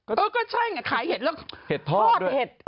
เออก็ใช่ไงขายเห็ดแล้วพอดเห็ดเห็ดทอดด้วย